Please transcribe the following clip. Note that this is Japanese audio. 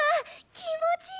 気持ちいい！